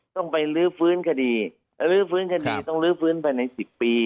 ต้องไปลื้อฟื้นคดีลื้อฟื้นคดีต้องลื้อฟื้นภายใน๑๐ปี